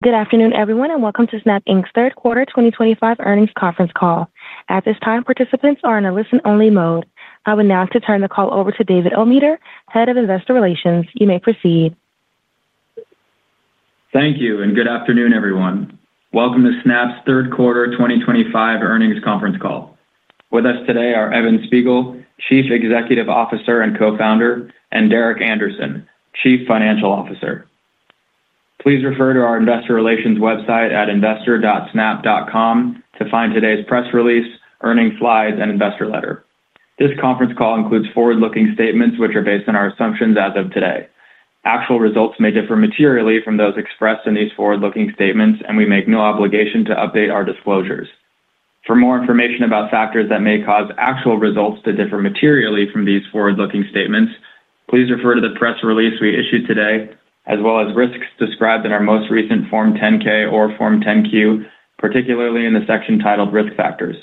Good afternoon, everyone, and welcome to Snap Inc.'s third quarter 2025 earnings conference call. At this time, participants are in a listen-only mode. I will now turn the call over to David Ometer, Head of Investor Relations. You may proceed. Thank you, and good afternoon, everyone. Welcome to Snap's third quarter 2025 earnings conference call. With us today are Evan Spiegel, Chief Executive Officer and Co-founder, and Derek Andersen, Chief Financial Officer. Please refer to our Investor Relations website at investor.snap.com to find today's press release, earnings slides, and investor letter. This conference call includes forward-looking statements which are based on our assumptions as of today. Actual results may differ materially from those expressed in these forward-looking statements, and we make no obligation to update our disclosures. For more information about factors that may cause actual results to differ materially from these forward-looking statements, please refer to the press release we issued today, as well as risks described in our most recent Form 10-K or Form 10-Q, particularly in the section titled Risk Factors.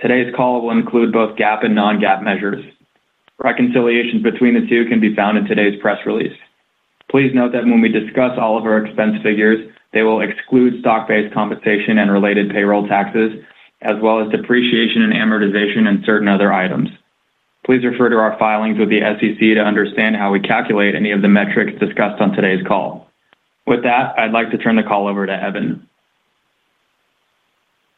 Today's call will include both GAAP and non-GAAP measures. Reconciliations between the two can be found in today's press release. Please note that when we discuss all of our expense figures, they will exclude stock-based compensation and related payroll taxes, as well as depreciation and amortization and certain other items. Please refer to our filings with the SEC to understand how we calculate any of the metrics discussed on today's call. With that, I'd like to turn the call over to Evan.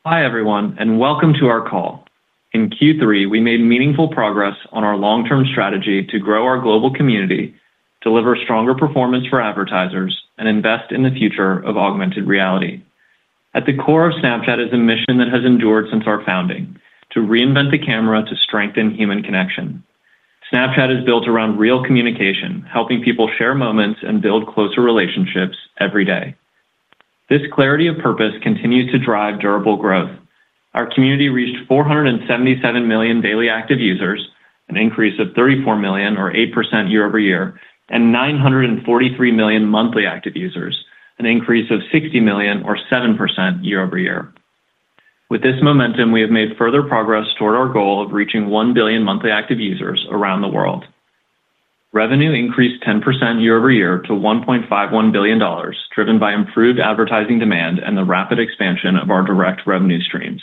Hi, everyone, and welcome to our call. In Q3, we made meaningful progress on our long-term strategy to grow our global community, deliver stronger performance for advertisers, and invest in the future of augmented reality. At the core of Snapchat is a mission that has endured since our founding: to reinvent the camera to strengthen human connection. Snapchat is built around real communication, helping people share moments and build closer relationships every day. This clarity of purpose continues to drive durable growth. Our community reached 477 million daily active users, an increase of 34 million, or 8% year-over-year, and 943 million monthly active users, an increase of 60 million, or 7% year-over-year. With this momentum, we have made further progress toward our goal of reaching 1 billion monthly active users around the world. Revenue increased 10% year-over-year to $1.51 billion, driven by improved advertising demand and the rapid expansion of our direct revenue streams.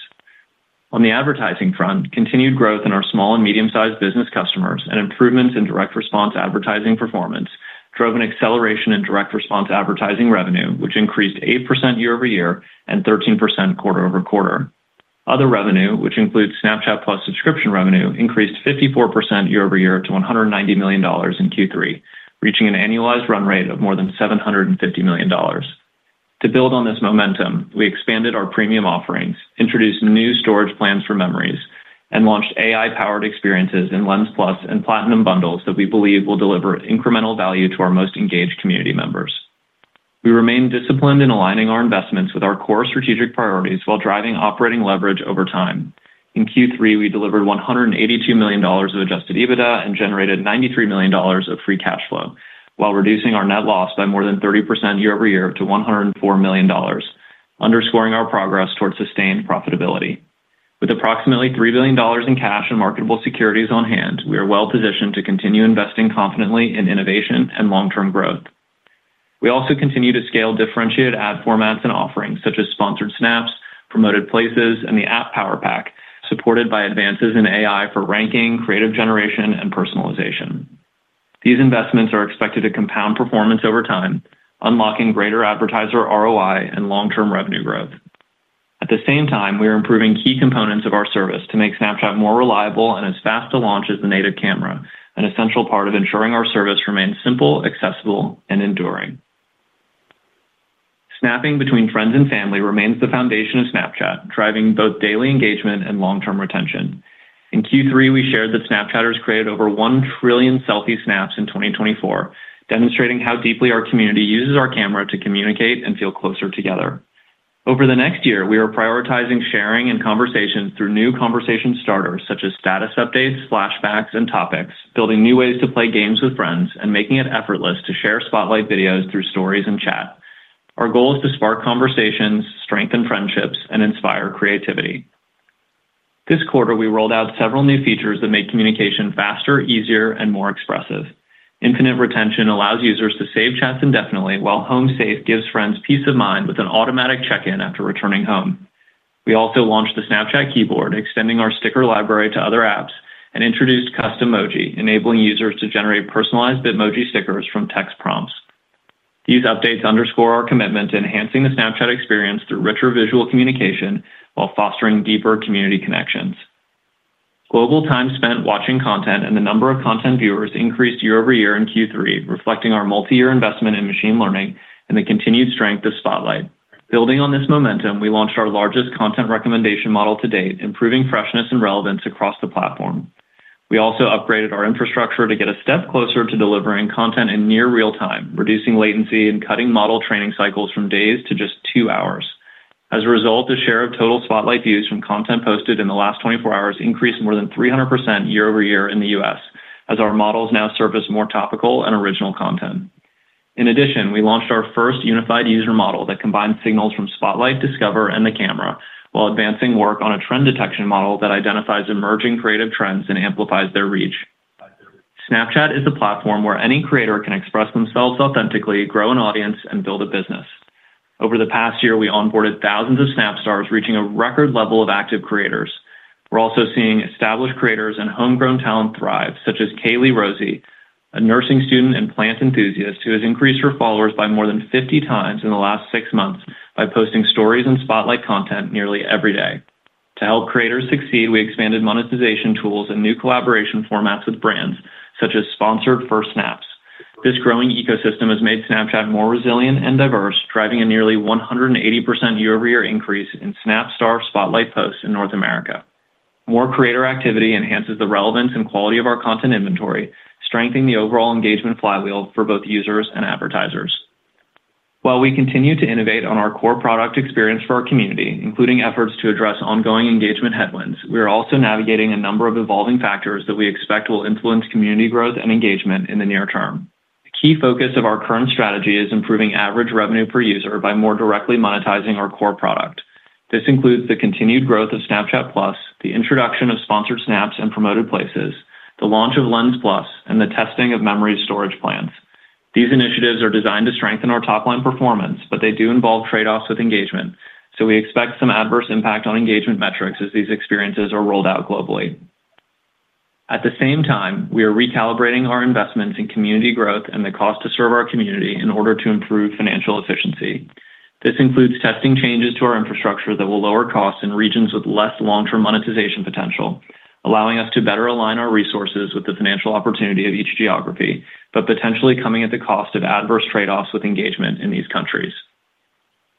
On the advertising front, continued growth in our small and medium-sized business customers and improvements in direct response advertising performance drove an acceleration in direct response advertising revenue, which increased 8% year-over-year and 13% quarter-over-quarter. Other revenue, which includes Snapchat Plus subscription revenue, increased 54% year-over-year to $190 million in Q3, reaching an annualized run rate of more than $750 million. To build on this momentum, we expanded our premium offerings, introduced new storage plans for memories, and launched AI-powered experiences in Lens+ and Platinum bundles that we believe will deliver incremental value to our most engaged community members. We remain disciplined in aligning our investments with our core strategic priorities while driving operating leverage over time. In Q3, we delivered $182 million of adjusted EBITDA and generated $93 million of free cash flow, while reducing our net loss by more than 30% year-over-year to $104 million, underscoring our progress toward sustained profitability. With approximately $3 billion in cash and marketable securities on hand, we are well-positioned to continue investing confidently in innovation and long-term growth. We also continue to scale differentiated ad formats and offerings, such as Sponsored Snaps, Promoted Places, and the App Power Pack, supported by advances in AI for ranking, creative generation, and personalization. These investments are expected to compound performance over time, unlocking greater advertiser ROI and long-term revenue growth. At the same time, we are improving key components of our service to make Snapchat more reliable and as fast to launch as the native camera, an essential part of ensuring our service remains simple, accessible, and enduring. Snapping between friends and family remains the foundation of Snapchat, driving both daily engagement and long-term retention. In Q3, we shared that Snapchatters created over 1 trillion selfie Snaps in 2024, demonstrating how deeply our community uses our camera to communicate and feel closer together. Over the next year, we are prioritizing sharing and conversations through new conversation starters, such as status updates, flashbacks, and topics, building new ways to play games with friends, and making it effortless to share Spotlight videos through Stories and chat. Our goal is to spark conversations, strengthen friendships, and inspire creativity. This quarter, we rolled out several new features that make communication faster, easier, and more expressive. Infinite retention allows users to save chats indefinitely, while Home Safe gives friends peace of mind with an automatic check-in after returning home. We also launched the Snapchat Keyboard, extending our sticker library to other apps, and introduced Custom Emoji, enabling users to generate personalized Bitmoji stickers from text prompts. These updates underscore our commitment to enhancing the Snapchat experience through richer visual communication while fostering deeper community connections. Global time spent watching content and the number of content viewers increased year-over-year in Q3, reflecting our multi-year investment in machine learning and the continued strength of Spotlight. Building on this momentum, we launched our largest content recommendation model to date, improving freshness and relevance across the platform. We also upgraded our infrastructure to get a step closer to delivering content in near real time, reducing latency and cutting model training cycles from days to just two hours. As a result, the share of total Spotlight views from content posted in the last 24 hours increased more than 300% year-over-year in the U.S., as our models now surface more topical and original content. In addition, we launched our first unified user model that combines signals from Spotlight, Discover, and the camera, while advancing work on a trend detection model that identifies emerging creative trends and amplifies their reach. Snapchat is the platform where any creator can express themselves authentically, grow an audience, and build a business. Over the past year, we onboarded thousands of Snapstars, reaching a record level of active creators. We're also seeing established creators and homegrown talent thrive, such as Kaylee Rosie, a nursing student and plant enthusiast who has increased her followers by more than 50x in the last six months by posting stories and Spotlight content nearly every day. To help creators succeed, we expanded monetization tools and new collaboration formats with brands, such as Sponsored Snaps. This growing ecosystem has made Snapchat more resilient and diverse, driving a nearly 180% year-over-year increase in Snapstar Spotlight posts in North America. More creator activity enhances the relevance and quality of our content inventory, strengthening the overall engagement flywheel for both users and advertisers. While we continue to innovate on our core product experience for our community, including efforts to address ongoing engagement headwinds, we are also navigating a number of evolving factors that we expect will influence community growth and engagement in the near-term. A key focus of our current strategy is improving average revenue per user by more directly monetizing our core product. This includes the continued growth of Snapchat+, the introduction of Sponsored Snaps and Promoted Places, the launch of Lens+, and the testing of memory storage plans. These initiatives are designed to strengthen our top-line performance, but they do involve trade-offs with engagement, so we expect some adverse impact on engagement metrics as these experiences are rolled out globally. At the same time, we are recalibrating our investments in community growth and the cost to serve our community in order to improve financial efficiency. This includes testing changes to our infrastructure that will lower costs in regions with less long-term monetization potential, allowing us to better align our resources with the financial opportunity of each geography, but potentially coming at the cost of adverse trade-offs with engagement in these countries.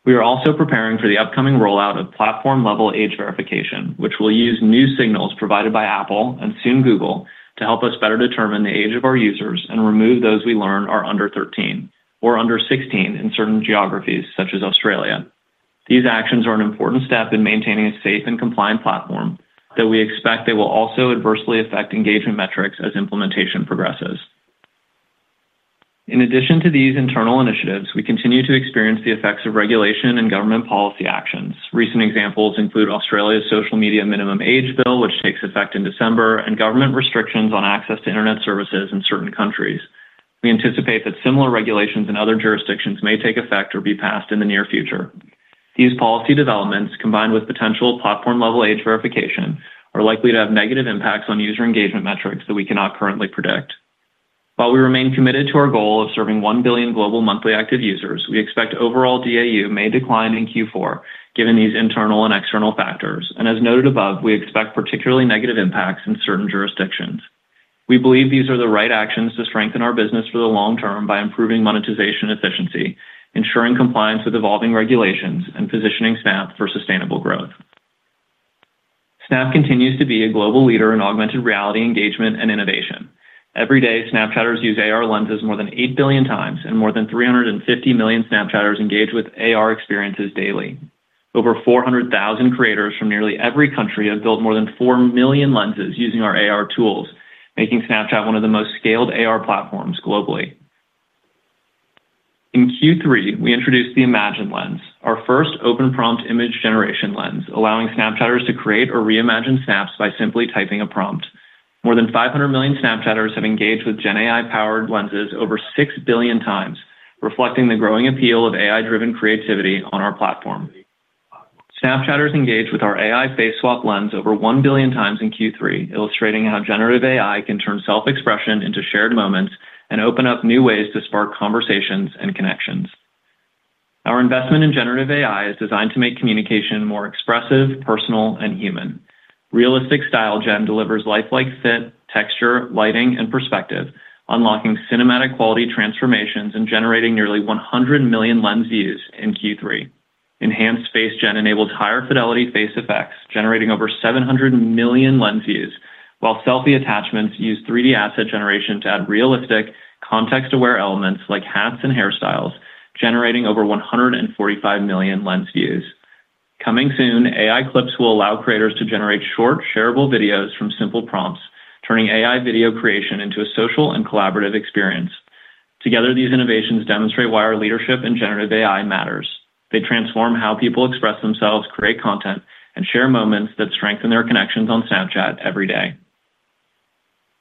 We are also preparing for the upcoming rollout of platform-level age verification, which will use new signals provided by Apple and soon Google to help us better determine the age of our users and remove those we learn are under 13 years or under 16 years in certain geographies, such as Australia. These actions are an important step in maintaining a safe and compliant platform, though we expect they will also adversely affect engagement metrics as implementation progresses. In addition to these internal initiatives, we continue to experience the effects of regulation and government policy actions. Recent examples include Australia's Social Media Minimum Age Bill, which takes effect in December, and government restrictions on access to internet services in certain countries. We anticipate that similar regulations in other jurisdictions may take effect or be passed in the near future. These policy developments, combined with potential platform-level age verification, are likely to have negative impacts on user engagement metrics that we cannot currently predict. While we remain committed to our goal of serving 1 billion global monthly active users, we expect overall DAU may decline in Q4, given these internal and external factors, and as noted above, we expect particularly negative impacts in certain jurisdictions. We believe these are the right actions to strengthen our business for the long-term by improving monetization efficiency, ensuring compliance with evolving regulations, and positioning Snap for sustainable growth. Snap continues to be a global leader in augmented reality engagement and innovation. Every day, Snapchatters use AR lenses more than 8 billion times, and more than 350 million Snapchatters engage with AR experiences daily. Over 400,000 creators from nearly every country have built more than 4 million lenses using our AR tools, making Snapchat one of the most scaled AR platforms globally. In Q3, we introduced the Imagine Lens, our first open-prompt image generation lens, allowing Snapchatters to create or reimagine snaps by simply typing a prompt. More than 500 million Snapchatters have engaged with GenAI-powered lenses over 6 billion times, reflecting the growing appeal of AI-driven creativity on our platform. Snapchatters engaged with our AI Face Swap Lens over 1 billion times in Q3, illustrating how generative AI can turn self-expression into shared moments and open up new ways to spark conversations and connections. Our investment in generative AI is designed to make communication more expressive, personal, and human. Realistic Style Gen delivers lifelike fit, texture, lighting, and perspective, unlocking cinematic-quality transformations and generating nearly 100 million lens views in Q3. Enhanced Face Gen enables higher fidelity face effects, generating over 700 million lens views, while selfie attachments use 3D asset generation to add realistic, context-aware elements like hats and hairstyles, generating over 145 million lens views. Coming soon, AI Clips will allow creators to generate short, shareable videos from simple prompts, turning AI video creation into a social and collaborative experience. Together, these innovations demonstrate why our leadership in generative AI matters. They transform how people express themselves, create content, and share moments that strengthen their connections on Snapchat every day.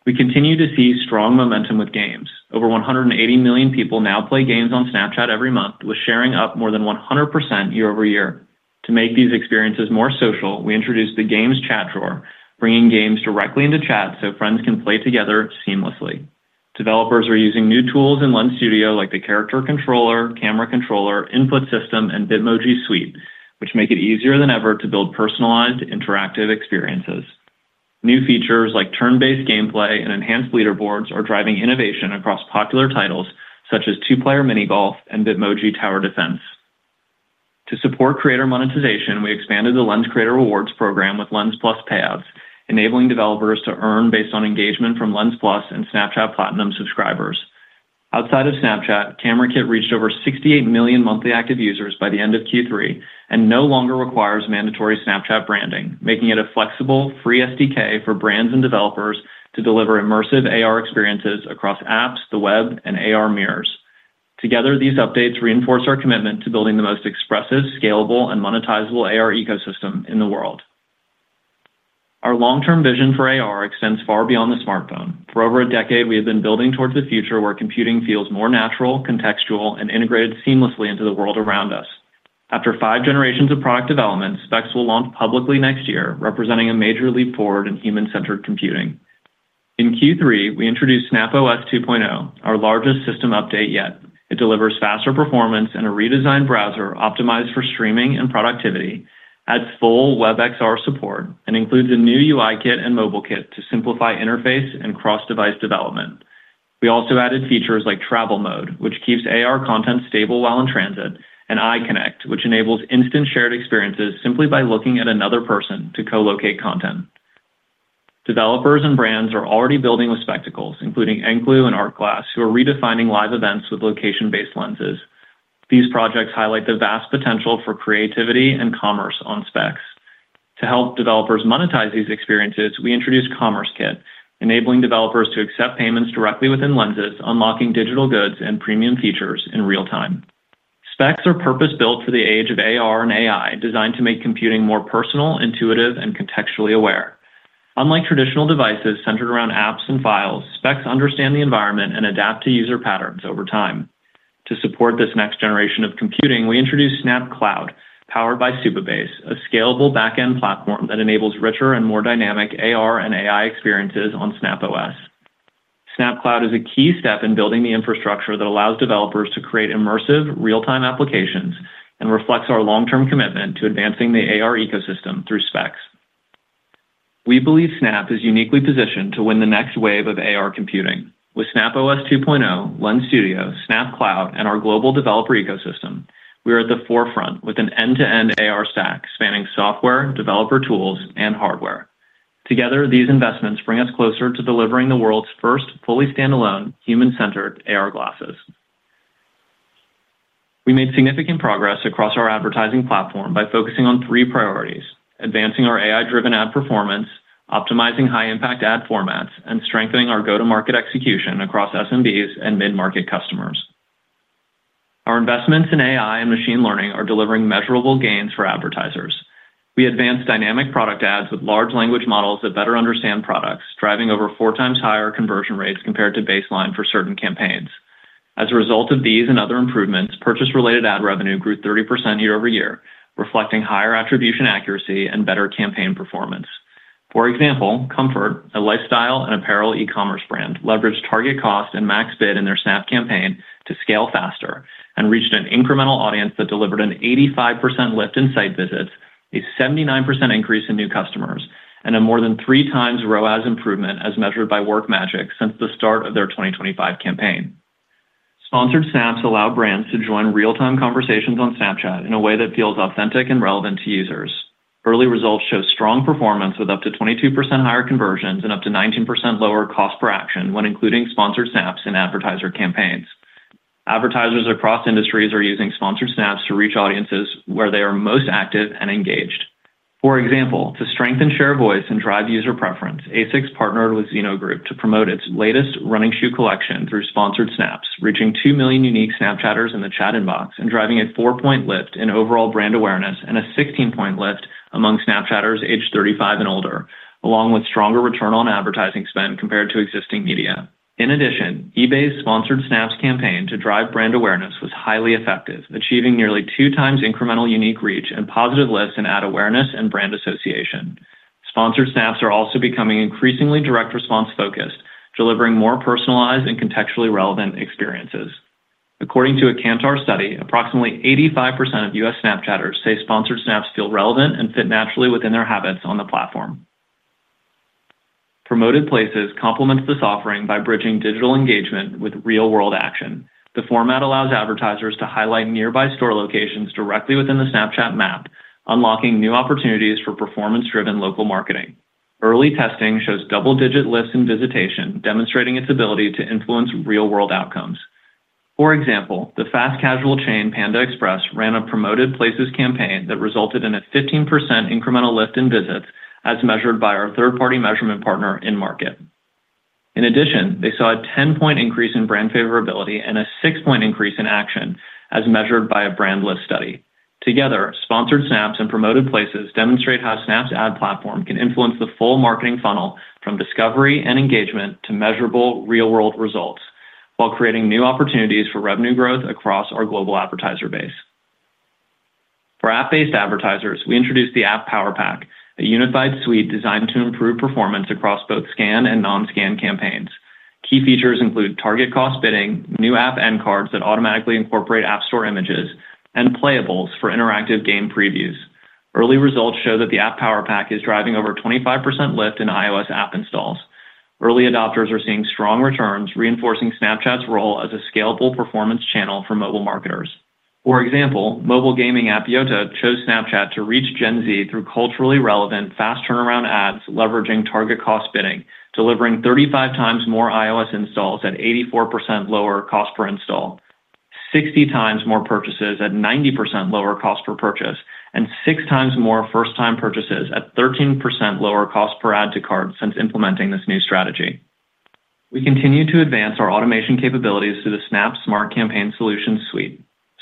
We continue to see strong momentum with games. Over 180 million people now play games on Snapchat every month, with sharing up more than 100% year-over-year. To make these experiences more social, we introduced the Games Chat Drawer, bringing games directly into chat so friends can play together seamlessly. Developers are using new tools in Lens Studio like the Character Controller, Camera Controller, Input System, and Bitmoji Suite, which make it easier than ever to build personalized, interactive experiences. New features like turn-based gameplay and enhanced leaderboards are driving innovation across popular titles such as 2-Player Mini Golf and Bitmoji Tower Defense. To support creator monetization, we expanded the Lens Creator Rewards program with Lens+ Payouts, enabling developers to earn based on engagement from Lens+ and Snapchat Platinum subscribers. Outside of Snapchat, Camera Kit reached over 68 million monthly active users by the end of Q3 and no longer requires mandatory Snapchat branding, making it a flexible, free SDK for brands and developers to deliver immersive AR experiences across apps, the web, and AR mirrors. Together, these updates reinforce our commitment to building the most expressive, scalable, and monetizable AR ecosystem in the world. Our long-term vision for AR extends far beyond the smartphone. For over a decade, we have been building towards a future where computing feels more natural, contextual, and integrated seamlessly into the world around us. After five generations of product development, Spectacles will launch publicly next year, representing a major leap forward in human-centered computing. In Q3, we introduced Snap OS 2.0, our largest system update yet. It delivers faster performance and a redesigned browser optimized for streaming and productivity, adds full WebXR support, and includes a new UI Kit and Mobile Kit to simplify interface and cross-device development. We also added features like Travel Mode, which keeps AR content stable while in transit, and Eye Connect, which enables instant shared experiences simply by looking at another person to co-locate content. Developers and brands are already building with Spectacles, including NCLU and Artglass, who are redefining live events with location-based lenses. These projects highlight the vast potential for creativity and commerce on Specs. To help developers monetize these experiences, we introduced Commerce Kit, enabling developers to accept payments directly within lenses, unlocking digital goods and premium features in real time. Spectacles are purpose-built for the age of AR and AI, designed to make computing more personal, intuitive, and contextually aware. Unlike traditional devices centered around apps and files, Spectacles understand the environment and adapt to user patterns over time. To support this next generation of computing, we introduced Snap Cloud, powered by Supabase, a scalable back-end platform that enables richer and more dynamic AR and AI experiences on Snap OS. Snap Cloud is a key step in building the infrastructure that allows developers to create immersive, real-time applications and reflects our long-term commitment to advancing the AR ecosystem through Specs. We believe Snap is uniquely positioned to win the next wave of AR computing. With Snap OS 2.0, Lens Studio, Snap Cloud, and our global developer ecosystem, we are at the forefront with an end-to-end AR stack spanning software, developer tools, and hardware. Together, these investments bring us closer to delivering the world's first fully standalone, human-centered AR glasses. We made significant progress across our advertising platform by focusing on three priorities: advancing our AI-driven ad performance, optimizing high-impact ad formats, and strengthening our go-to-market execution across SMBs and mid-market customers. Our investments in AI and machine learning are delivering measurable gains for advertisers. We advanced dynamic product ads with large language models that better understand products, driving over four times higher conversion rates compared to baseline for certain campaigns. As a result of these and other improvements, purchase-related ad revenue grew 30% year-over-year, reflecting higher attribution accuracy and better campaign performance. For example, Comfort, a lifestyle and apparel e-commerce brand, leveraged target cost and max bid in their Snap campaign to scale faster and reached an incremental audience that delivered an 85% lift in site visits, a 79% increase in new customers, and a more than three times ROAS improvement as measured by WorkMagic since the start of their 2025 campaign. Sponsored Snaps allow brands to join real-time conversations on Snapchat in a way that feels authentic and relevant to users. Early results show strong performance with up to 22% higher conversions and up to 19% lower cost per action when including Sponsored Snaps in advertiser campaigns. Advertisers across industries are using Sponsored Snaps to reach audiences where they are most active and engaged. For example, to strengthen share of voice and drive user preference, ASICS partnered with Zino Group to promote its latest running shoe collection through Sponsored Snaps, reaching 2 million unique Snapchatters in the chat inbox and driving a 4-point lift in overall brand awareness and a 16-point lift among Snapchatters aged 35 and older, along with stronger return on advertising spend compared to existing media. In addition, eBay's Sponsored Snaps campaign to drive brand awareness was highly effective, achieving nearly 2x incremental unique reach and positive lifts in ad awareness and brand association. Sponsored Snaps are also becoming increasingly direct response-focused, delivering more personalized and contextually relevant experiences. According to a Kantar study, approximately 85% of U.S. Snapchatters say Sponsored Snaps feel relevant and fit naturally within their habits on the platform. Promoted Places complements this offering by bridging digital engagement with real-world action. The format allows advertisers to highlight nearby store locations directly within the Snapchat map, unlocking new opportunities for performance-driven local marketing. Early testing shows double-digit lifts in visitation, demonstrating its ability to influence real-world outcomes. For example, the fast casual chain Panda Express ran a Promoted Places campaign that resulted in a 15% incremental lift in visits, as measured by our third-party measurement partner InMarket. In addition, they saw a 10-point increase in brand favorability and a 6-point increase in action, as measured by a brand lift study. Together, Sponsored Snaps and Promoted Places demonstrate how Snap's ad platform can influence the full marketing funnel from discovery and engagement to measurable real-world results, while creating new opportunities for revenue growth across our global advertiser base. For app-based advertisers, we introduced the App Power Pack, a unified suite designed to improve performance across both scan and non-scan campaigns. Key features include target cost bidding, new app end cards that automatically incorporate App Store images, and playables for interactive game previews. Early results show that the App Power Pack is driving over 25% lift in iOS app installs. Early adopters are seeing strong returns, reinforcing Snapchat's role as a scalable performance channel for mobile marketers. For example, mobile gaming app Yotta chose Snapchat to reach Gen-Z through culturally relevant, fast turnaround ads leveraging target cost bidding, delivering 35x more iOS installs at 84% lower cost per install, 60x more purchases at 90% lower cost per purchase, and 6x more first-time purchases at 13% lower cost per add to cart since implementing this new strategy. We continue to advance our automation capabilities through the Snap Smart Campaign Solutions Suite.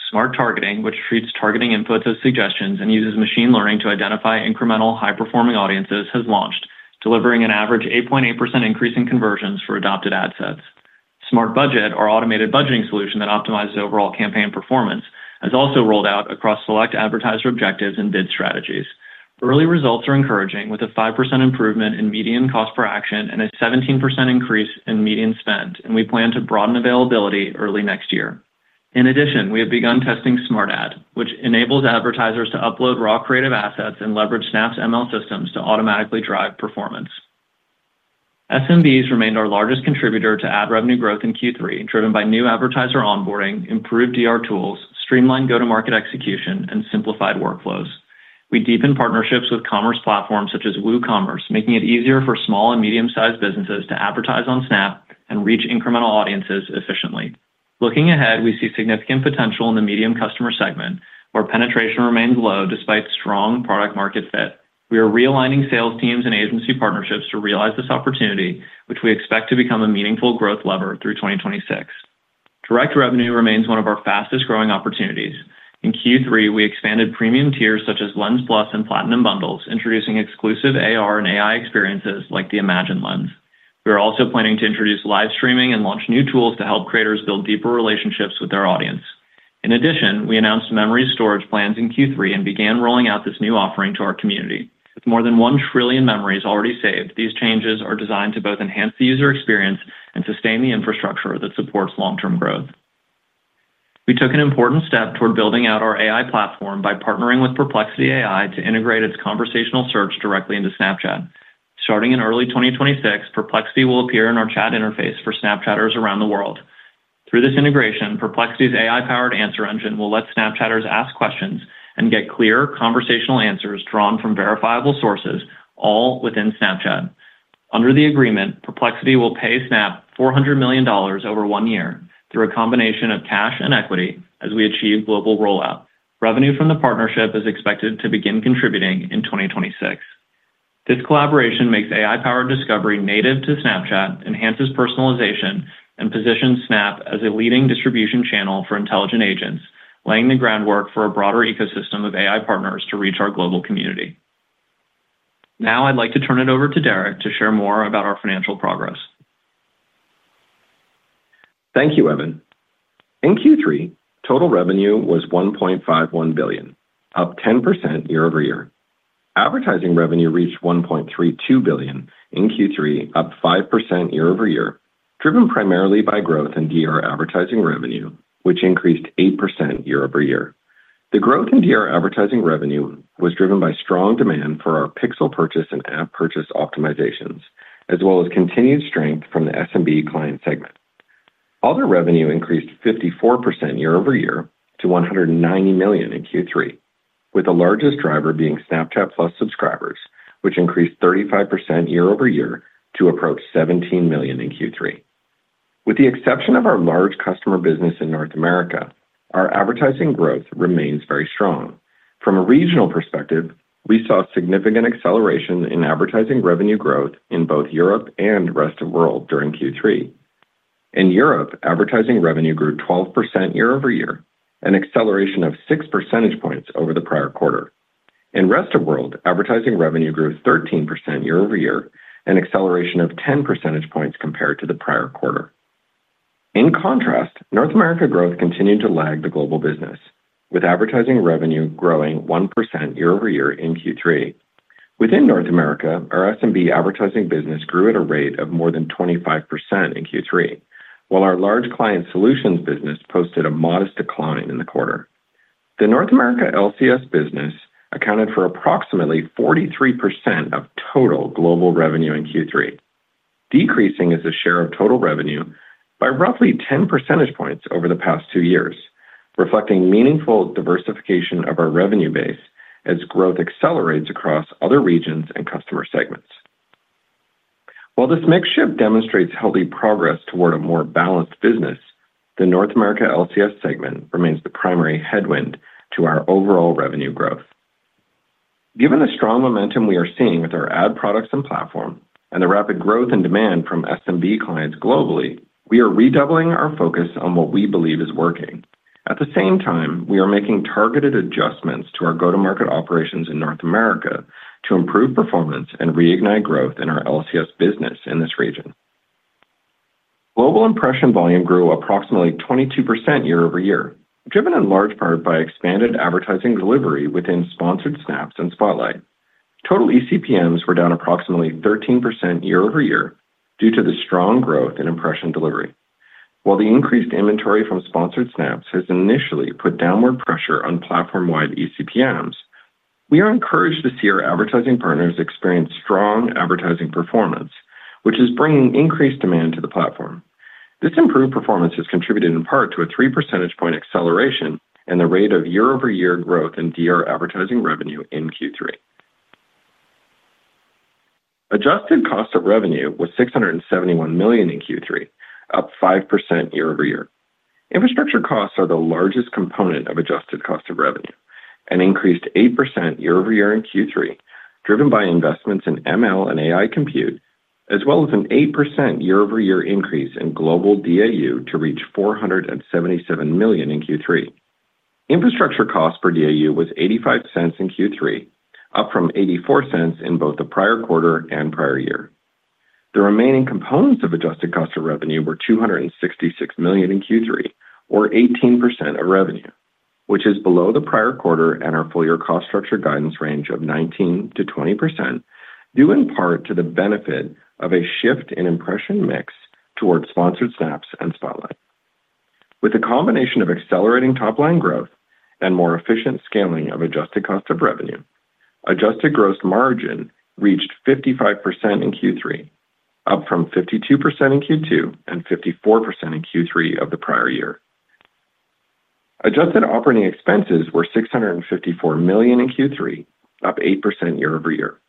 Smart Targeting, which treats targeting inputs as suggestions and uses machine learning to identify incremental, high-performing audiences, has launched, delivering an average 8.8% increase in conversions for adopted ad sets. Smart Budget, our automated budgeting solution that optimizes overall campaign performance, has also rolled out across select advertiser objectives and bid strategies. Early results are encouraging, with a 5% improvement in median cost per action and a 17% increase in median spend, and we plan to broaden availability early next year. In addition, we have begun testing Smart Ad, which enables advertisers to upload raw creative assets and leverage Snap's ML systems to automatically drive performance. SMBs remained our largest contributor to ad revenue growth in Q3, driven by new advertiser onboarding, improved DR tools, streamlined go-to-market execution, and simplified workflows. We deepened partnerships with commerce platforms such as WooCommerce, making it easier for small and medium-sized businesses to advertise on Snap and reach incremental audiences efficiently. Looking ahead, we see significant potential in the medium customer segment, where penetration remains low despite strong product-market fit. We are realigning sales teams and agency partnerships to realize this opportunity, which we expect to become a meaningful growth lever through 2026. Direct revenue remains one of our fastest-growing opportunities. In Q3, we expanded premium tiers such as Lens+ and Platinum bundles, introducing exclusive AR and AI experiences like the Imagine Lens. We are also planning to introduce live streaming and launch new tools to help creators build deeper relationships with their audience. In addition, we announced memory storage plans in Q3 and began rolling out this new offering to our community. With more than 1 trillion memories already saved, these changes are designed to both enhance the user experience and sustain the infrastructure that supports long-term growth. We took an important step toward building out our AI platform by partnering with Perplexity AI to integrate its conversational search directly into Snapchat. Starting in early 2026, Perplexity will appear in our chat interface for Snapchatters around the world. Through this integration, Perplexity's AI-powered answer engine will let Snapchatters ask questions and get clear conversational answers drawn from verifiable sources, all within Snapchat. Under the agreement, Perplexity will pay Snap $400 million over one year through a combination of cash and equity as we achieve global rollout. Revenue from the partnership is expected to begin contributing in 2026. This collaboration makes AI-powered discovery native to Snapchat, enhances personalization, and positions Snap as a leading distribution channel for intelligent agents, laying the groundwork for a broader ecosystem of AI partners to reach our global community. Now, I'd like to turn it over to Derek to share more about our financial progress. Thank you, Evan. In Q3, total revenue was $1.51 billion, up 10% year-over-year. Advertising revenue reached $1.32 billion in Q3, up 5% year-over-year, driven primarily by growth in DR advertising revenue, which increased 8% year-over-year. The growth in DR advertising revenue was driven by strong demand for our pixel purchase and app purchase optimizations, as well as continued strength from the SMB client segment. Other revenue increased 54% year-over-year to $190 million in Q3, with the largest driver being Snapchat+ subscribers, which increased 35% year-over-year to approach 17 million in Q3. With the exception of our large customer business in North America, our advertising growth remains very strong. From a regional perspective, we saw significant acceleration in advertising revenue growth in both Europe and the rest of the world during Q3. In Europe, advertising revenue grew 12% year-over-year, an acceleration of 6 percentage points over the prior quarter. In the rest of the world, advertising revenue grew 13% year-over-year, an acceleration of 10 percentage points compared to the prior quarter. In contrast, North America growth continued to lag the global business, with advertising revenue growing 1% year-over-year in Q3. Within North America, our SMB advertising business grew at a rate of more than 25% in Q3, while our large client solutions business posted a modest decline in the quarter. The North America LCS business accounted for approximately 43% of total global revenue in Q3, decreasing as a share of total revenue by roughly 10 percentage points over the past two years, reflecting meaningful diversification of our revenue base as growth accelerates across other regions and customer segments. While this mixture demonstrates healthy progress toward a more balanced business, the North America LCS segment remains the primary headwind to our overall revenue growth. Given the strong momentum we are seeing with our ad products and platform, and the rapid growth in demand from SMB clients globally, we are redoubling our focus on what we believe is working. At the same time, we are making targeted adjustments to our go-to-market operations in North America to improve performance and reignite growth in our LCS business in this region. Global impression volume grew approximately 22% year-over-year, driven in large part by expanded advertising delivery within Sponsored Snaps and Spotlight. Total eCPMs were down approximately 13% year-over-year due to the strong growth in impression delivery. While the increased inventory from Sponsored Snaps has initially put downward pressure on platform-wide eCPMs, we are encouraged to see our advertising partners experience strong advertising performance, which is bringing increased demand to the platform. This improved performance has contributed in part to a 3 percentage point acceleration in the rate of year-over-year growth in DR advertising revenue in Q3. Adjusted cost of revenue was $671 million in Q3, up 5% year-over-year. Infrastructure costs are the largest component of adjusted cost of revenue, and increased 8% year-over-year in Q3, driven by investments in ML and AI compute, as well as an 8% year-over-year increase in global DAU to reach 477 million in Q3. Infrastructure cost per DAU was $0.85 in Q3, up from $0.84 in both the prior quarter and prior year. The remaining components of adjusted cost of revenue were $266 million in Q3, or 18% of revenue, which is below the prior quarter and our full-year cost structure guidance range of 19%-20%, due in part to the benefit of a shift in impression mix toward Sponsored Snaps and Spotlight. With the combination of accelerating top-line growth and more efficient scaling of adjusted cost of revenue, adjusted gross margin reached 55% in Q3, up from 52% in Q2 and 54% in Q3 of the prior year. Adjusted operating expenses were $654 million in Q3, up 8% year-over-year.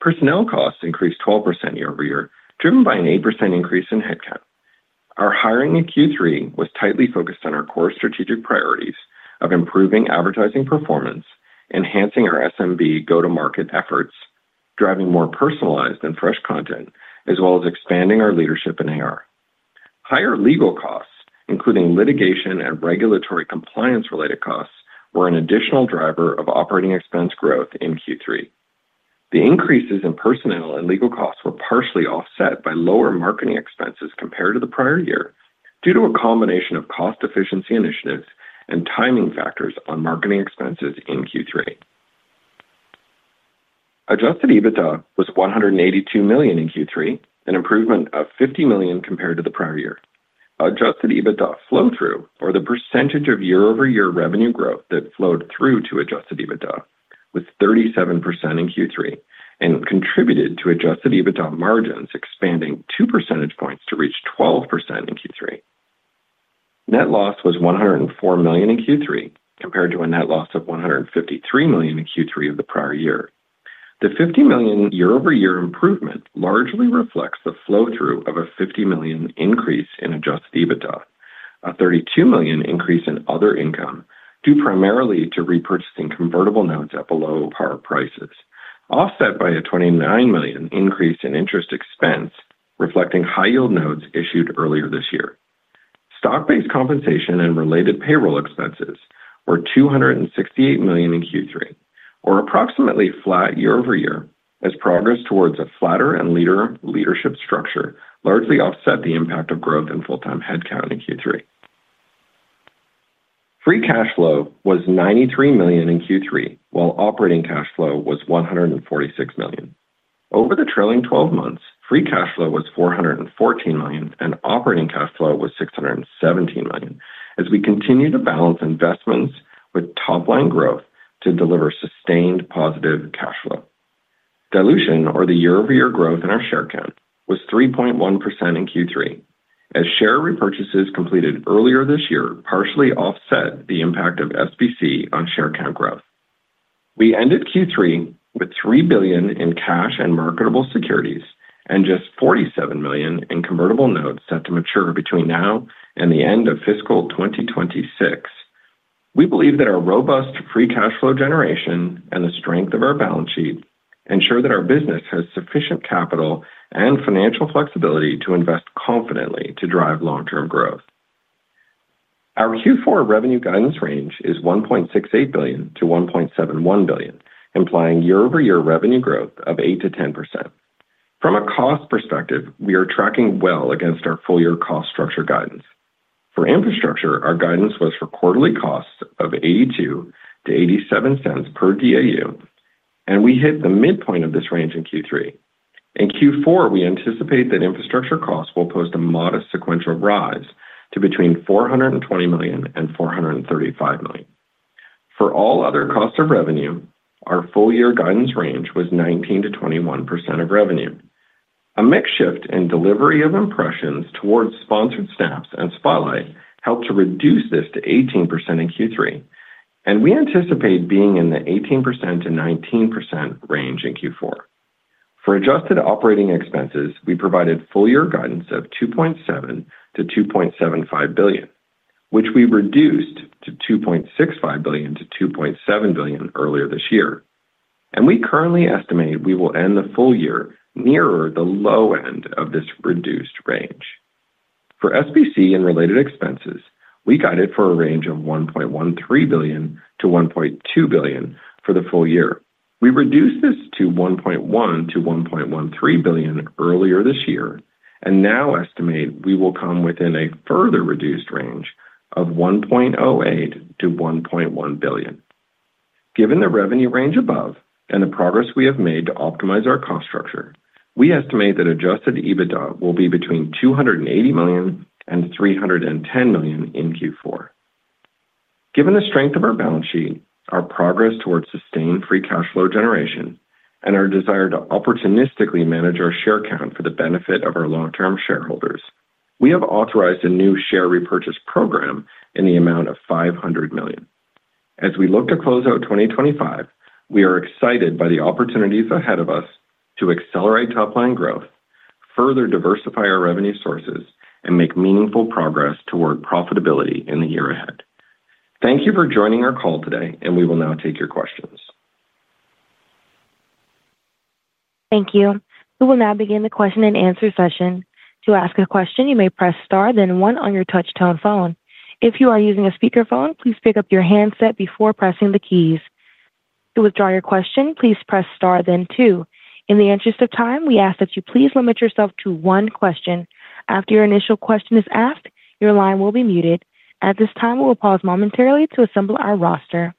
Personnel costs increased 12% year-over-year, driven by an 8% increase in headcount. Our hiring in Q3 was tightly focused on our core strategic priorities of improving advertising performance, enhancing our SMB go-to-market efforts, driving more personalized and fresh content, as well as expanding our leadership in AR. Higher legal costs, including litigation and regulatory compliance-related costs, were an additional driver of operating expense growth in Q3. The increases in personnel and legal costs were partially offset by lower marketing expenses compared to the prior year due to a combination of cost-efficiency initiatives and timing factors on marketing expenses in Q3. Adjusted EBITDA was $182 million in Q3, an improvement of $50 million compared to the prior year. Adjusted EBITDA flow-through, or the percentage of year-over-year revenue growth that flowed through to adjusted EBITDA, was 37% in Q3 and contributed to adjusted EBITDA margins expanding 2 percentage points to reach 12% in Q3. Net loss was $104 million in Q3, compared to a net loss of $153 million in Q3 of the prior year. The $50 million year-over-year improvement largely reflects the flow-through of a $50 million increase in adjusted EBITDA, a $32 million increase in other income due primarily to repurchasing convertible notes at below-par prices, offset by a $29 million increase in interest expense reflecting high-yield notes issued earlier this year. Stock-based compensation and related payroll expenses were $268 million in Q3, or approximately flat year-over-year, as progress towards a flatter and leaner leadership structure largely offset the impact of growth in full-time headcount in Q3. Free cash flow was $93 million in Q3, while operating cash flow was $146 million. Over the trailing 12 months, free cash flow was $414 million and operating cash flow was $617 million as we continue to balance investments with top-line growth to deliver sustained positive cash flow. Dilution, or the year-over-year growth in our share count, was 3.1% in Q3, as share repurchases completed earlier this year partially offset the impact of SBC on share count growth. We ended Q3 with $3 billion in cash and marketable securities and just $47 million in convertible notes set to mature between now and the end of fiscal 2026. We believe that our robust free cash flow generation and the strength of our balance sheet ensure that our business has sufficient capital and financial flexibility to invest confidently to drive long-term growth. Our Q4 revenue guidance range is $1.68 billion-$1.71 billion, implying year-over-year revenue growth of 8%-10%. From a cost perspective, we are tracking well against our full-year cost structure guidance. For infrastructure, our guidance was for quarterly costs of $0.82-$0.87 per DAU, and we hit the midpoint of this range in Q3. In Q4, we anticipate that infrastructure costs will post a modest sequential rise to between $420 million and $435 million. For all other costs of revenue, our full-year guidance range was 19%-21% of revenue. A mix shift in delivery of impressions towards Sponsored Snaps and Spotlight helped to reduce this to 18% in Q3, and we anticipate being in the 18%-19% range in Q4. For adjusted operating expenses, we provided full-year guidance of $2.7 billion-$2.75 billion, which we reduced to $2.65 billion-$2.7 billion earlier this year. We currently estimate we will end the full year nearer the low end of this reduced range. For SBC and related expenses, we guided for a range of $1.13 billion-$1.2 billion for the full year. We reduced this to $1.1 billion-$1.13 billion earlier this year and now estimate we will come within a further reduced range of $1.08 billion-$1.1 billion. Given the revenue range above and the progress we have made to optimize our cost structure, we estimate that adjusted EBITDA will be between $280 million and $310 million in Q4. Given the strength of our balance sheet, our progress toward sustained free cash flow generation, and our desire to opportunistically manage our share count for the benefit of our long-term shareholders, we have authorized a new share repurchase program in the amount of $500 million. As we look to close out 2025, we are excited by the opportunities ahead of us to accelerate top-line growth, further diversify our revenue sources, and make meaningful progress toward profitability in the year ahead. Thank you for joining our call today, and we will now take your questions. Thank you. We will now begin the question-and-answer session. To ask a question, you may press star, then one on your touch-tone phone. If you are using a speakerphone, please pick up your handset before pressing the keys. To withdraw your question, please press star, then two. In the interest of time, we ask that you please limit yourself to one question. After your initial question is asked, your line will be muted. At this time, we will pause momentarily to assemble our roster.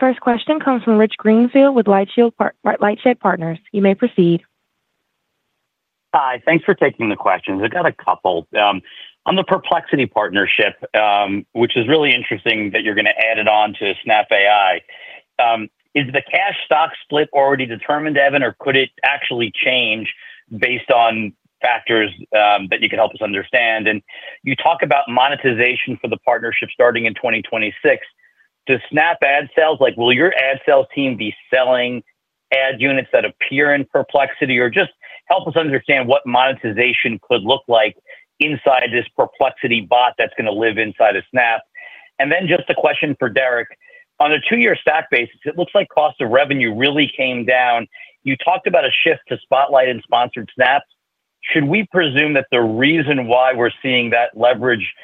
The first question comes from Rich Greenfield with LightShed Partners. You may proceed. Hi. Thanks for taking the questions. I've got a couple. On the Perplexity partnership, which is really interesting that you're going to add it on to Snap AI. Is the cash stock split already determined, Evan, or could it actually change based on factors that you can help us understand? You talk about monetization for the partnership starting in 2026. Does Snap ad sales, will your ad sales team be selling ad units that appear in Perplexity, or just help us understand what monetization could look like inside this Perplexity bot that's going to live inside of Snap? A question for Derek. On a two-year stock basis, it looks like cost of revenue really came down. You talked about a shift to Spotlight and Sponsored Snaps. Should we presume that the reason why we're seeing that leverage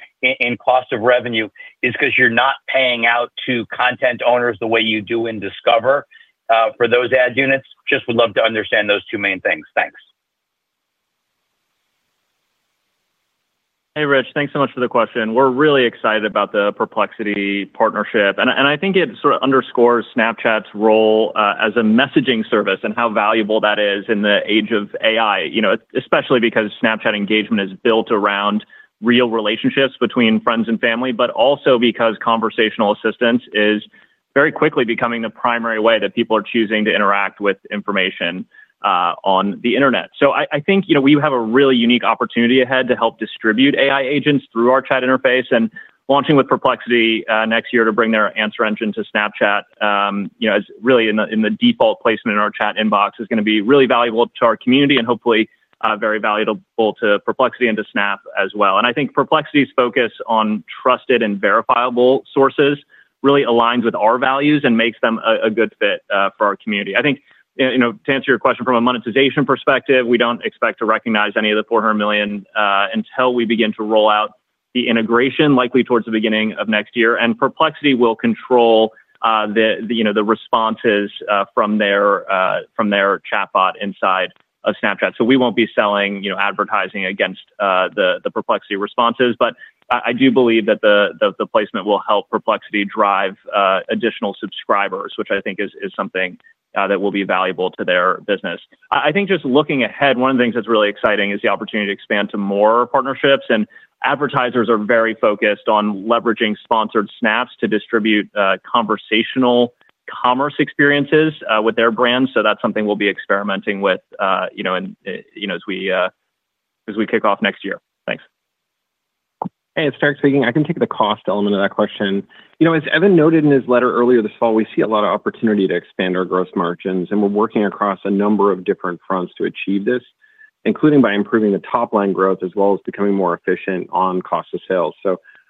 in cost of revenue is because you're not paying out to content owners the way you do in Discover for those ad units? Just would love to understand those two main things. Thanks. Hey, Rich. Thanks so much for the question. We're really excited about the Perplexity partnership. I think it sort of underscores Snapchat's role as a messaging service and how valuable that is in the age of AI, especially because Snapchat engagement is built around real relationships between friends and family, but also because conversational assistance is very quickly becoming the primary way that people are choosing to interact with information on the internet. I think we have a really unique opportunity ahead to help distribute AI agents through our chat interface. Launching with Perplexity next year to bring their answer engine to Snapchat. Really, in the default placement in our chat inbox, is going to be really valuable to our community and hopefully very valuable to Perplexity and to Snap as well. I think Perplexity's focus on trusted and verifiable sources really aligns with our values and makes them a good fit for our community. I think, to answer your question, from a monetization perspective, we do not expect to recognize any of the $400 million until we begin to roll out the integration, likely towards the beginning of next year. Perplexity will control the responses from their chatbot inside of Snapchat. We will not be selling advertising against the Perplexity responses. I do believe that the placement will help Perplexity drive additional subscribers, which I think is something that will be valuable to their business. I think just looking ahead, one of the things that's really exciting is the opportunity to expand to more partnerships. Advertisers are very focused on leveraging Sponsored Snaps to distribute conversational commerce experiences with their brands. That's something we'll be experimenting with as we kick off next year. Thanks. Hey, it's Derek speaking. I can take the cost element of that question. As Evan noted in his letter earlier this fall, we see a lot of opportunity to expand our gross margins. We're working across a number of different fronts to achieve this, including by improving the top-line growth as well as becoming more efficient on cost of sales.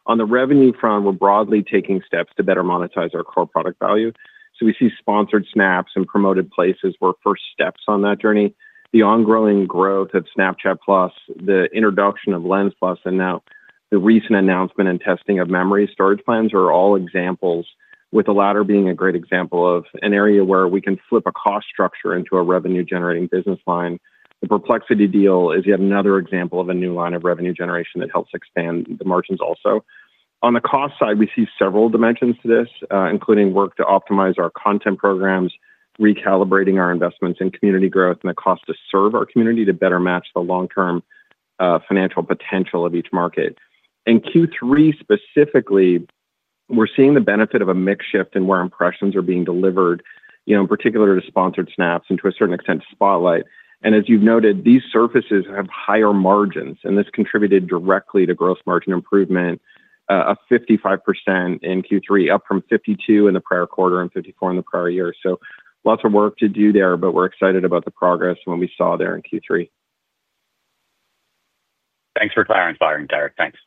On the revenue front, we're broadly taking steps to better monetize our core product value. We see Sponsored Snaps and Promoted Places were first steps on that journey. The ongoing growth of Snapchat Plus, the introduction of Lens+, and now the recent announcement and testing of memory storage plans are all examples, with the latter being a great example of an area where we can flip a cost structure into a revenue-generating business line. The Perplexity deal is yet another example of a new line of revenue generation that helps expand the margins also. On the cost side, we see several dimensions to this, including work to optimize our content programs, recalibrating our investments in community growth, and the cost to serve our community to better match the long-term financial potential of each market. In Q3 specifically, we're seeing the benefit of a mix shift in where impressions are being delivered, in particular to Sponsored Snaps and, to a certain extent, to Spotlight. These surfaces have higher margins. This contributed directly to gross margin improvement of 55% in Q3, up from 52% in the prior quarter and 54% in the prior year. Lots of work to do there, but we're excited about the progress and what we saw there in Q3. Thanks for clarifying, Derek. Thanks.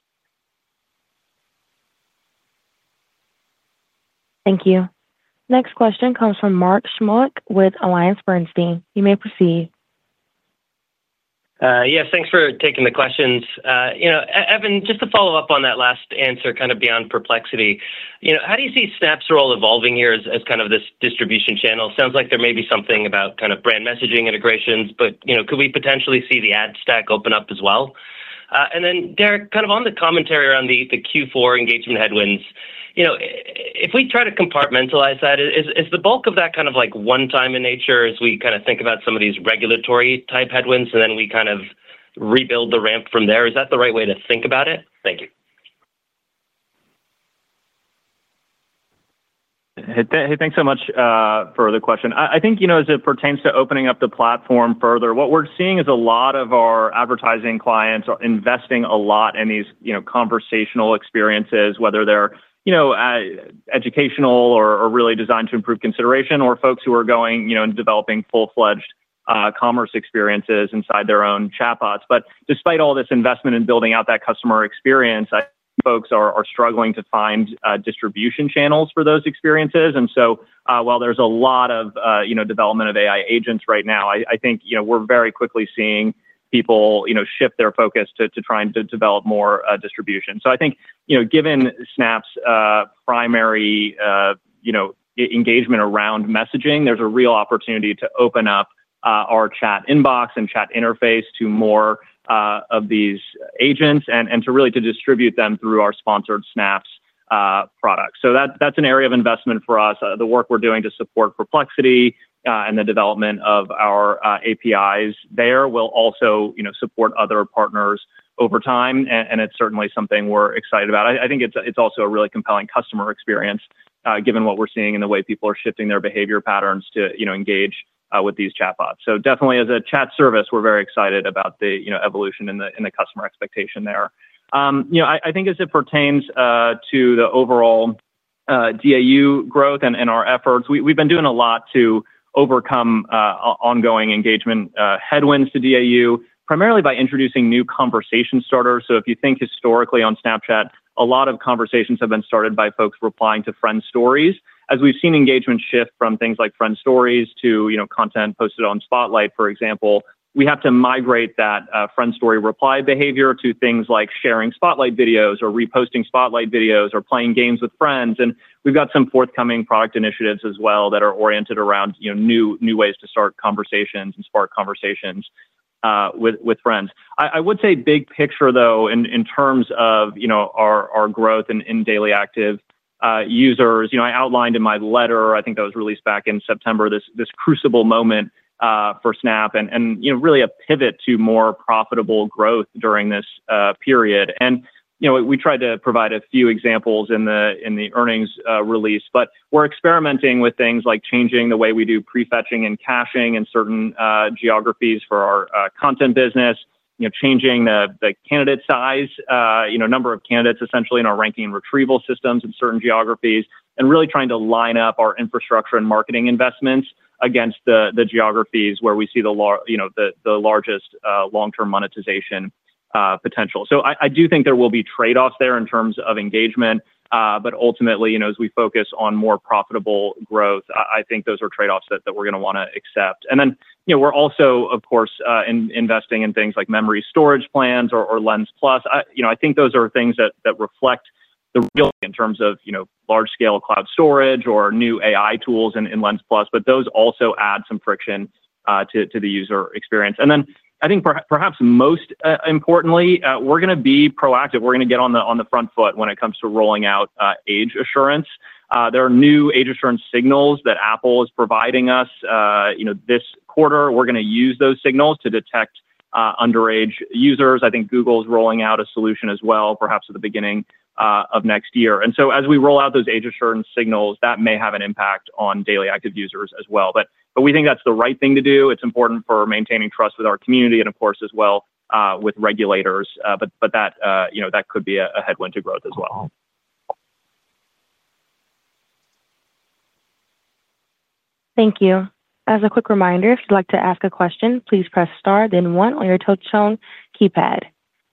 Thank you. Next question comes from Mark Shmulik with AllianceBernstein. You may proceed. Yes, thanks for taking the questions. Evan, just to follow up on that last answer kind of beyond Perplexity, how do you see Snap's role evolving here as kind of this distribution channel? It sounds like there may be something about kind of brand messaging integrations, but could we potentially see the ad stack open up as well? And then, Derek, kind of on the commentary around the Q4 engagement headwinds. If we try to compartmentalize that, is the bulk of that kind of one-time in nature as we kind of think about some of these regulatory-type headwinds and then we kind of rebuild the ramp from there? Is that the right way to think about it? Thank you. Hey, thanks so much for the question. I think as it pertains to opening up the platform further, what we're seeing is a lot of our advertising clients are investing a lot in these conversational experiences, whether they're educational or really designed to improve consideration, or folks who are going and developing full-fledged commerce experiences inside their own chatbots. Despite all this investment in building out that customer experience, folks are struggling to find distribution channels for those experiences. While there's a lot of development of AI agents right now, I think we're very quickly seeing people shift their focus to trying to develop more distribution. I think given Snap's primary engagement around messaging, there's a real opportunity to open up our chat inbox and chat interface to more of these agents and to really distribute them through our Sponsored Snaps products. That's an area of investment for us. The work we're doing to support Perplexity and the development of our APIs there will also support other partners over time. It's certainly something we're excited about. I think it's also a really compelling customer experience given what we're seeing in the way people are shifting their behavior patterns to engage with these chatbots. Definitely, as a chat service, we're very excited about the evolution in the customer expectation there. I think as it pertains to the overall DAU growth and our efforts, we've been doing a lot to overcome ongoing engagement headwinds to DAU, primarily by introducing new conversation starters. If you think historically on Snapchat, a lot of conversations have been started by folks replying to friend stories. As we've seen engagement shift from things like friend stories to content posted on Spotlight, for example, we have to migrate that friend story reply behavior to things like sharing Spotlight videos or reposting Spotlight videos or playing games with friends. We've got some forthcoming product initiatives as well that are oriented around new ways to start conversations and spark conversations with friends. I would say big picture, though, in terms of our growth in daily active users, I outlined in my letter, I think that was released back in September, this crucible moment for Snap and really a pivot to more profitable growth during this period. We tried to provide a few examples in the earnings release, but we're experimenting with things like changing the way we do prefetching and caching in certain geographies for our content business, changing the candidate size, number of candidates essentially in our ranking and retrieval systems in certain geographies, and really trying to line up our infrastructure and marketing investments against the geographies where we see the largest long-term monetization potential. I do think there will be trade-offs there in terms of engagement. Ultimately, as we focus on more profitable growth, I think those are trade-offs that we're going to want to accept. We're also, of course, investing in things like memory storage plans or Lens+. I think those are things that reflect the real in terms of large-scale cloud storage or new AI tools in Lens+, but those also add some friction to the user experience. I think perhaps most importantly, we're going to be proactive. We're going to get on the front foot when it comes to rolling out age assurance. There are new age assurance signals that Apple is providing us. This quarter, we're going to use those signals to detect underage users. I think Google is rolling out a solution as well, perhaps at the beginning of next year. As we roll out those age assurance signals, that may have an impact on daily active users as well. We think that's the right thing to do. It's important for maintaining trust with our community and, of course, as well with regulators. That could be a headwind to growth as well. Thank you. As a quick reminder, if you'd like to ask a question, please press star, then one on your touch-tone keypad.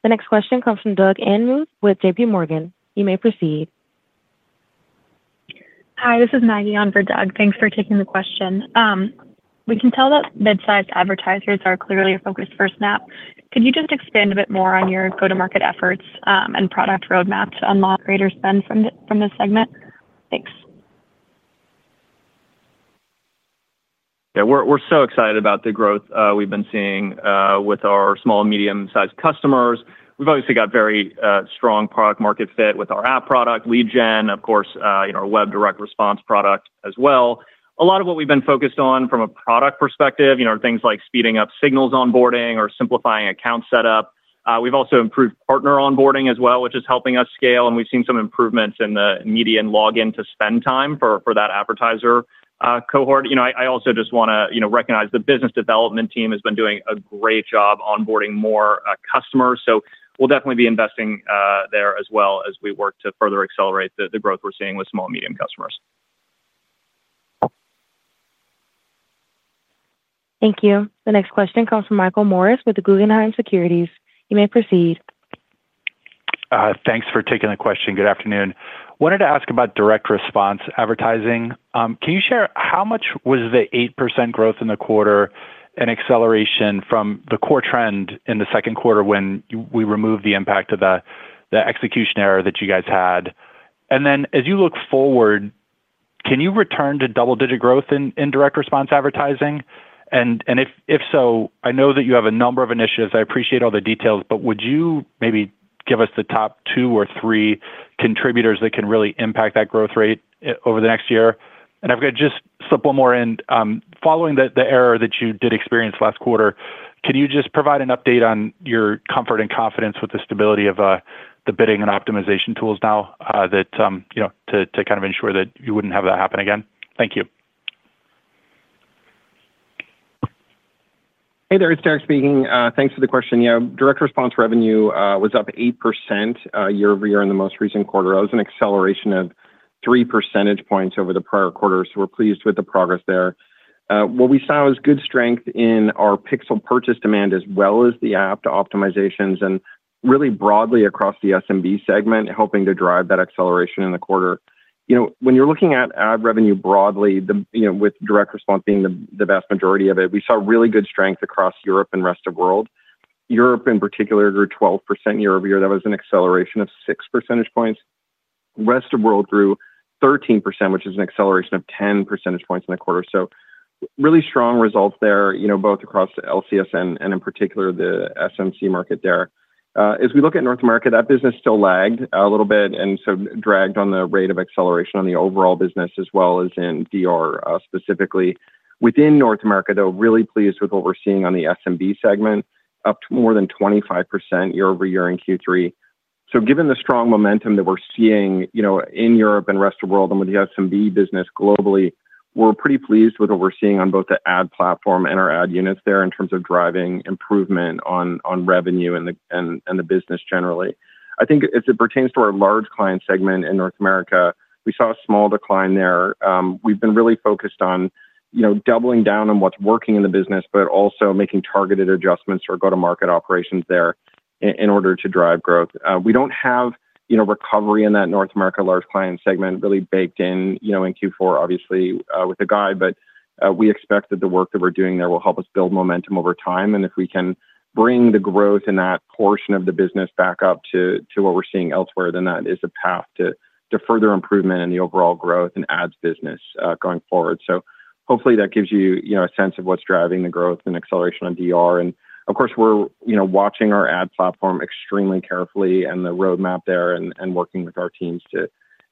The next question comes from Doug Anmuth with JPMorgan. You may proceed. Hi, this is Maggie on for Doug. Thanks for taking the question. We can tell that mid-sized advertisers are clearly focused for Snap. Could you just expand a bit more on your go-to-market efforts and product roadmap to unlock greater spend from this segment? Thanks. Yeah, we're so excited about the growth we've been seeing with our small and medium-sized customers. We've obviously got very strong product-market fit with our app product, lead gen, of course, our web direct response product as well. A lot of what we've been focused on from a product perspective are things like speeding up signals onboarding or simplifying account setup. We've also improved partner onboarding as well, which is helping us scale. We've seen some improvements in the media and login to spend time for that advertiser cohort. I also just want to recognize the business development team has been doing a great job onboarding more customers. We'll definitely be investing there as well as we work to further accelerate the growth we're seeing with small and medium customers. Thank you. The next question comes from Michael Morris with Guggenheim Securities. You may proceed. Thanks for taking the question. Good afternoon. Wanted to ask about direct response advertising. Can you share how much was the 8% growth in the quarter an acceleration from the core trend in the second quarter when we removed the impact of the execution error that you guys had? As you look forward, can you return to double-digit growth in direct response advertising? If so, I know that you have a number of initiatives. I appreciate all the details, but would you maybe give us the top two or three contributors that can really impact that growth rate over the next year? I've got to just slip one more in. Following the error that you did experience last quarter, can you just provide an update on your comfort and confidence with the stability of the bidding and optimization tools now to kind of ensure that you wouldn't have that happen again? Thank you. Hey there, it's Derek speaking. Thanks for the question. Direct response revenue was up 8% year-over-year in the most recent quarter. That was an acceleration of 3 percentage points over the prior quarter. We're pleased with the progress there. What we saw is good strength in our pixel purchase demand as well as the app purchase optimizations and really broadly across the SMB segment, helping to drive that acceleration in the quarter. When you're looking at ad revenue broadly, with direct response being the vast majority of it, we saw really good strength across Europe and the rest of the world. Europe, in particular, grew 12% year-over-year. That was an acceleration of 6 percentage points. The rest of the world grew 13%, which is an acceleration of 10 percentage points in the quarter. Really strong results there, both across LCS and in particular the SMB market there. As we look at North America, that business still lagged a little bit and so dragged on the rate of acceleration on the overall business as well as in DR specifically. Within North America, though, really pleased with what we're seeing on the SMB segment, up to more than 25% year-over-year in Q3. Given the strong momentum that we're seeing in Europe and the rest of the world and with the SMB business globally, we're pretty pleased with what we're seeing on both the ad platform and our ad units there in terms of driving improvement on revenue and the business generally. I think as it pertains to our large client segment in North America, we saw a small decline there. We've been really focused on doubling down on what's working in the business, but also making targeted adjustments or go-to-market operations there in order to drive growth. We don't have recovery in that North America large client segment really baked in in Q4, obviously, with the guide, but we expect that the work that we're doing there will help us build momentum over time. If we can bring the growth in that portion of the business back up to what we're seeing elsewhere, then that is a path to further improvement in the overall growth and ads business going forward. Hopefully that gives you a sense of what's driving the growth and acceleration on DR. Of course, we're watching our ad platform extremely carefully and the roadmap there and working with our teams to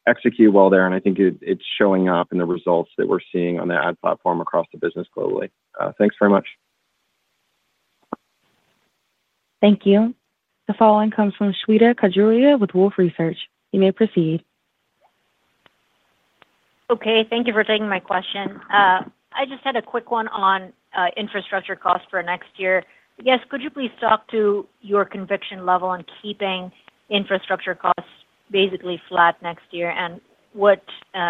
execute well there. I think it's showing up in the results that we're seeing on the ad platform across the business globally. Thanks very much. Thank you. The following comes from Shweta Khajuria with Wolfe Research. You may proceed. Okay, thank you for taking my question. I just had a quick one on infrastructure costs for next year. Yes, could you please talk to your conviction level on keeping infrastructure costs basically flat next year and what,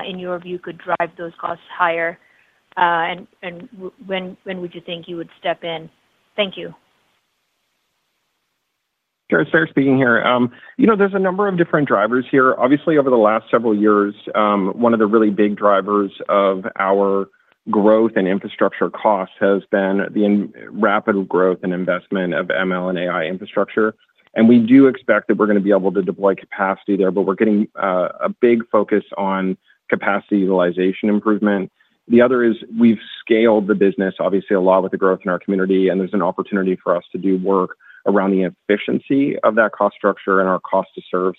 in your view, could drive those costs higher? And when would you think you would step in? Thank you. Sure, it's Derek speaking here. There's a number of different drivers here. Obviously, over the last several years, one of the really big drivers of our growth and infrastructure costs has been the rapid growth and investment of ML and AI infrastructure. We do expect that we're going to be able to deploy capacity there, but we're getting a big focus on capacity utilization improvement. The other is we've scaled the business, obviously, a lot with the growth in our community, and there's an opportunity for us to do work around the efficiency of that cost structure and our cost to serve.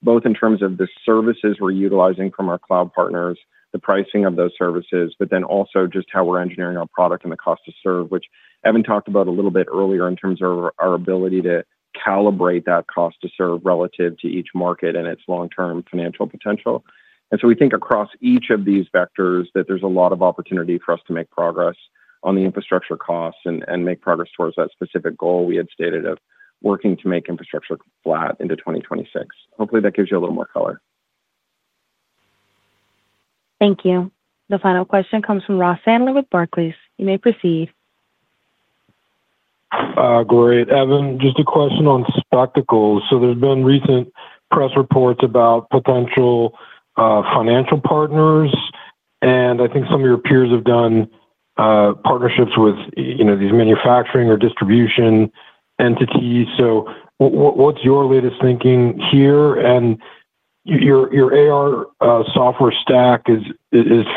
Both in terms of the services we're utilizing from our cloud partners, the pricing of those services, but then also just how we're engineering our product and the cost to serve, which Evan talked about a little bit earlier in terms of our ability to calibrate that cost to serve relative to each market and its long-term financial potential. As we think across each of these vectors that there's a lot of opportunity for us to make progress on the infrastructure costs and make progress towards that specific goal we had stated of working to make infrastructure flat into 2026. Hopefully, that gives you a little more color. Thank you. The final question comes from Ross Sandler with Barclays. You may proceed. Great. Evan, just a question on Spectacles. There have been recent press reports about potential financial partners. I think some of your peers have done partnerships with these manufacturing or distribution entities. What is your latest thinking here? Your AR software stack is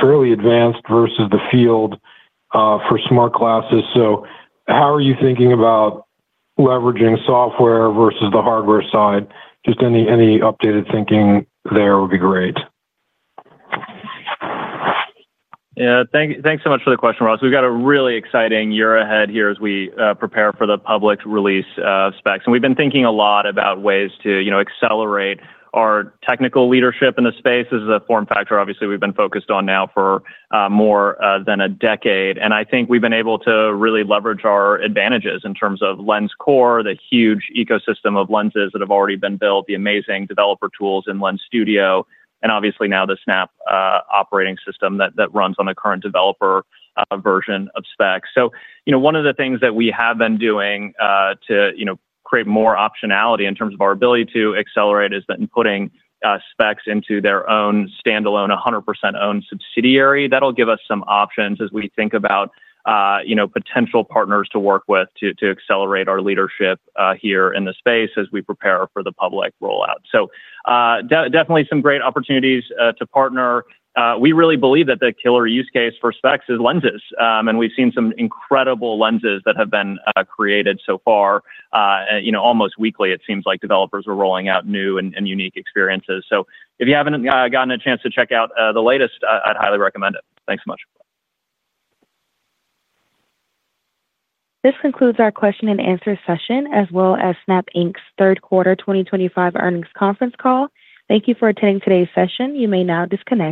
fairly advanced versus the field for smart glasses. How are you thinking about leveraging software versus the hardware side? Any updated thinking there would be great. Yeah, thanks so much for the question, Ross. We've got a really exciting year ahead here as we prepare for the public release of Specs. We've been thinking a lot about ways to accelerate our technical leadership in the space. This is a form factor, obviously, we've been focused on now for more than a decade. I think we've been able to really leverage our advantages in terms of Lens Core, the huge ecosystem of lenses that have already been built, the amazing developer tools in Lens Studio, and obviously now the Snap operating system that runs on the current developer version of Snowshoes. One of the things that we have been doing to create more optionality in terms of our ability to accelerate is in putting Specs into their own standalone, 100% owned subsidiary. That'll give us some options as we think about. Potential partners to work with to accelerate our leadership here in the space as we prepare for the public rollout. Definitely some great opportunities to partner. We really believe that the killer use case for Spectacles is lenses. And we've seen some incredible lenses that have been created so far. Almost weekly, it seems like developers are rolling out new and unique experiences. If you haven't gotten a chance to check out the latest, I'd highly recommend it. Thanks so much. This concludes our question and answer session, as well as Snap Inc.'s third quarter 2025 earnings conference call. Thank you for attending today's session. You may now disconnect.